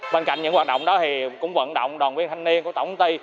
bên cạnh những hoạt động đó thì cũng vận động đoàn viên thanh niên của tổng tiên